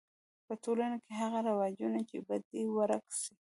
په ټولنه کی هغه رواجونه چي بد دي ورک سي.